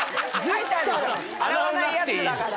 洗わないやつだから。